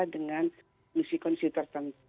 dengan misi kondisi tertentu